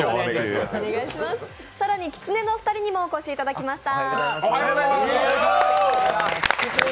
更にきつねのお二人にもお越しいただきました。